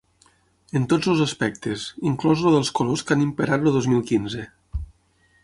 En tots els aspectes, inclòs el dels colors que han imperat el dos mil quinze.